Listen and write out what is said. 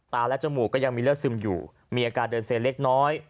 และจมูกก็ยังมีเลือดซึมอยู่มีอาการเดินเซเล็กน้อย